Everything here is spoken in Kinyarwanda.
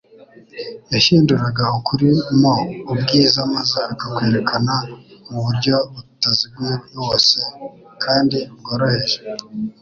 Yahinduraga ukuri mo ubwiza maze akakwerekana mu buryo butaziguye wose kandi bworoheje.